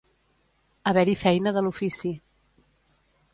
Haver-hi feina de l'ofici.